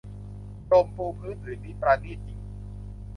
พรมปูพื้นผืนนี้ปราณีตจริง